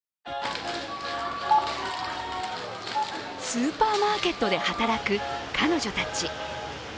スーパーマーケットで働く彼女たち。